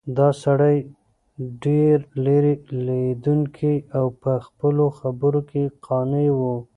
دا سړی ډېر لیرې لیدونکی او په خپلو خبرو کې قاطع و.